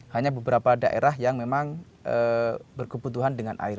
hanya beberapa daerah yang memang berkebutuhan dengan air